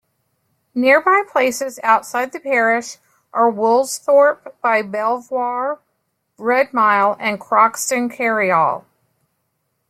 Nearby places outside the parish are Woolsthorpe by Belvoir, Redmile, and Croxton Kerrial.